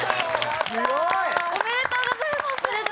やったよ！おめでとうございます。